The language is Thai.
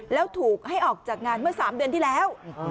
แล้วถูกให้ออกจากงานเมื่อ๓เดือนที่แล้ว